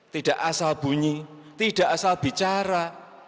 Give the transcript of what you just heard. tidak asal bunyi tidak asal bicara